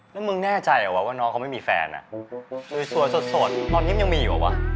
แล้วมึงแน่ใจเหรอวะว่าน้องเขาไม่มีแฟนอ่ะสวยสดตอนนี้มันยังมีอยู่เหรอวะ